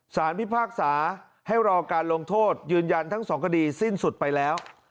พิพากษาให้รอการลงโทษยืนยันทั้งสองคดีสิ้นสุดไปแล้ว